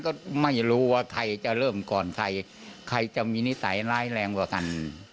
ก็ไม่รู้ว่าใครจะเริ่มก่อนใครใครจะมีนิสัยร้ายแรงกว่ากัน